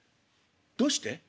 「どうして？」。